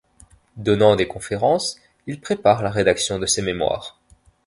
Donnant des conférences, il prépare la rédaction de ses mémoires.